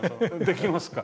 できますか？